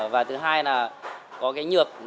và thứ hai là có cái nhược